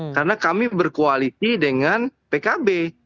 karena kami berkualiti dengan pkb